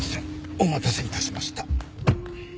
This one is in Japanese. お待たせいたしました